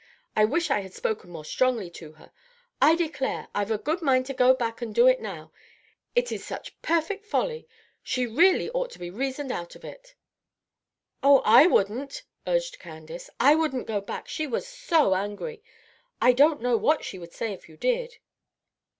I wish I had spoken more strongly to her! I declare, I've a good mind to go back and do it now. It is such perfect folly. She really ought to be reasoned out of it." "Oh, I wouldn't," urged Candace, "I wouldn't go back. She was so angry. I don't know what she would say if you did."